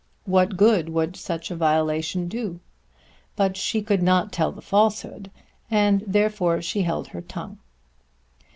What good would such a violation do? But she could not tell the falsehood, and therefore she held her tongue.